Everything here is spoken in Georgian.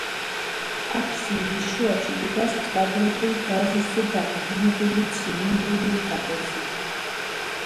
აფსიდის შუაში დგას კვადრატულ ბაზისზე დაყრდნობილი, ცილინდრული ტრაპეზი.